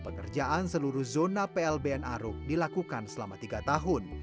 pengerjaan seluruh zona plbn aruk dilakukan selama tiga tahun